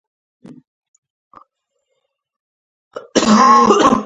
ملکيتونو ارزښت زيات شي.